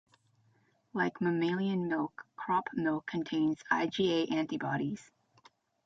Like mammalian milk, crop milk contains IgA antibodies.